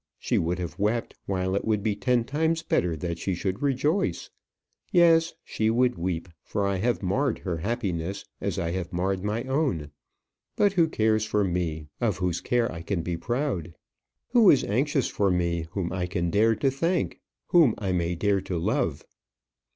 She would have wept, while it would be ten times better that she should rejoice. Yes, she would weep; for I have marred her happiness as I have marred my own. But who cares for me, of whose care I can be proud? Who is anxious for me, whom I can dare to thank, whom I may dare to love?"